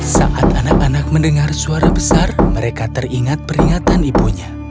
saat anak anak mendengar suara besar mereka teringat peringatan ibunya